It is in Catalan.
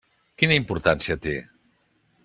Quina importància té?